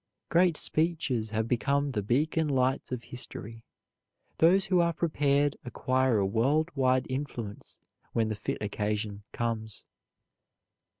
Great speeches have become the beacon lights of history. Those who are prepared acquire a world wide influence when the fit occasion comes.